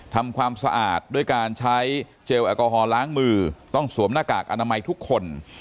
ทำความสะอาดด้วยการใช้เจลแอลกอฮอลล้างมือต้องสวมหน้ากากอนามัยทุกคน